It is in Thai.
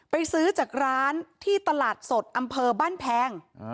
ซื้อจากร้านที่ตลาดสดอำเภอบ้านแพง